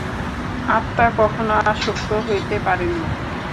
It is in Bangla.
আত্মা কখনও আসক্ত হইতে পারেন না।